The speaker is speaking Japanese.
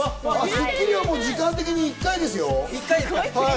『スッキリ』は時間的にもう１回ですよ。